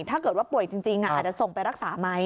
ถ้าเกิดว่าป่วยจริงอาจจะส่งไปรักษาไหม